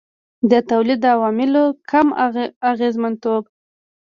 د تولید د عواملو کم اغېزمنتوب.